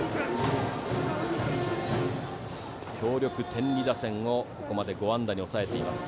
強力・天理打線をここまで５安打に抑えています。